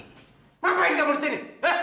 ngapain kamu disini